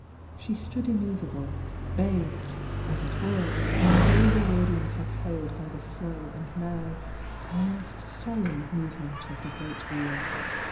She stood immovable, bathed, as it were, in the rosy radiance exhaled by the slow and now almost solemn movement of the great Wheel.